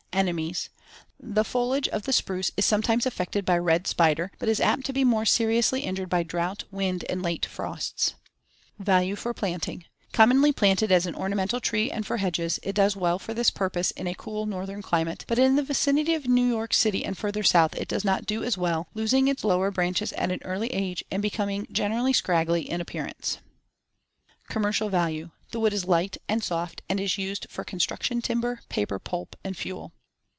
Enemies: The foliage of the spruce is sometimes affected by red spider, but is apt to be more seriously injured by drought, wind, and late frosts. Value for planting: Commonly planted as an ornamental tree and for hedges. It does well for this purpose in a cool northern climate, but in the vicinity of New York City and further south it does not do as well, losing its lower branches at an early age, and becoming generally scraggly in appearance. [Illustration: FIG. 8. A Group of Hemlock.] Commercial value: The wood is light and soft and is used for construction timber, paper pulp, and fuel.